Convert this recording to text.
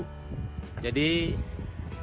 jadi aktivitas para layang terbang